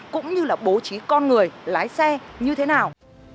cũng như là bố trí con người lái xe như thế nào